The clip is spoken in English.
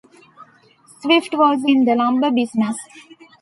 Swift was in the lumber business.